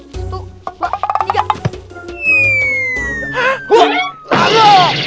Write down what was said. satu dua tiga